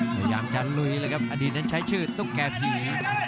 พยายามจะลุยเลยครับอดีตนั้นใช้ชื่อตุ๊กแก่ผี